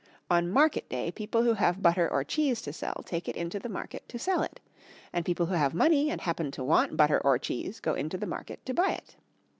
On market day people who have butter or cheese to sell take it into the market to sell it. And people who have money and happen to want butter or cheese go into the market to buy it.